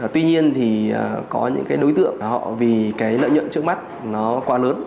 tuy nhiên thì có những cái đối tượng họ vì cái lợi nhuận trước mắt nó quá lớn